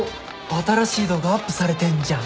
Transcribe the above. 新しい動画アップされてんじゃん。